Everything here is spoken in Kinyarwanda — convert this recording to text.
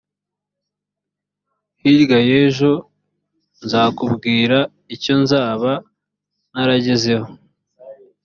hirya y’ejo nzakubwira icyo nzaba naragezeho